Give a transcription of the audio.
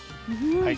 はい。